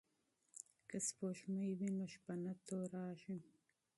که سپوږمۍ وي نو شپه نه تورېږي.